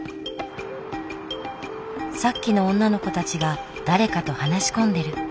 さっきの女の子たちが誰かと話し込んでる。